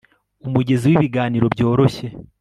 Umugezi wibiganiro byoroshye